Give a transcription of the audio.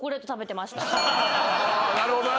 なるほどな。